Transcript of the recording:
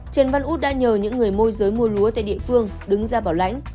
trần văn út đã nhờ những người môi giới mua lúa tại địa phương đứng ra bảo lãnh